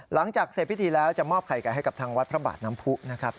หลังจากเสร็จพิธีแล้วจะมอบไข่ไก่ให้กับทางวัดพระบาทน้ำผู้นะครับ